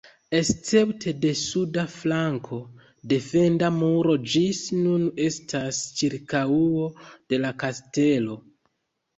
Escepte de suda flanko, defenda muro ĝis nun estas ĉirkaŭo de la kastelo.